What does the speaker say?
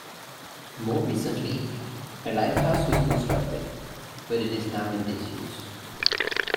More recently a lighthouse was constructed, but it is now in disuse.